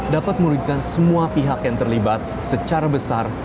dapat merugikan semua pihak yang terlibat secara besar